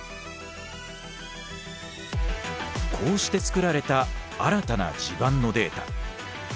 こうして作られた新たな地盤のデータ。